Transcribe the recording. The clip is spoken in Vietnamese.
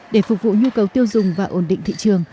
để phục vụ nhu cầu tiêu dùng và ổn định thị trường